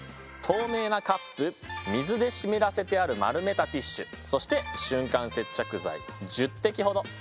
透明なカップ水で湿らせてある丸めたティッシュそして瞬間接着剤１０滴ほど。